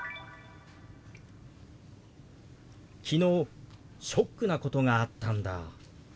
「昨日ショックなことがあったんだ」。